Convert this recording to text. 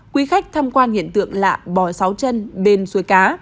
quý khách tham quan hiện tượng lạ bò sáu chân bên suối cá